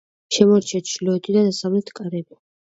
შემორჩა ჩრდილოეთი და დასავლეთი კარები.